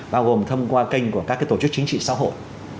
bao gồm thông qua kênh của các tổ chức chính trị xã hội